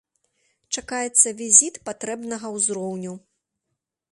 Чакаецца візіт патрэбнага ўзроўню.